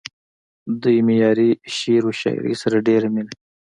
دوي معياري شعر و شاعرۍ سره ډېره مينه